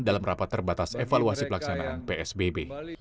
dalam rapat terbatas evaluasi pelaksanaan psbb